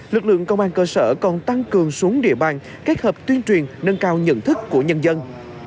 lực lượng công an cơ sở còn tăng cường xuống địa bàn kết hợp tuyên truyền nâng cao nhận thức của nhân dân